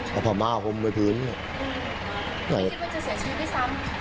พอมากอาหว่าผมไม่คิดว่าจะเสียชีวิตสาม